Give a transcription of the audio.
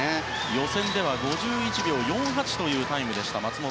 予選では５１秒４８というタイムでした、松元。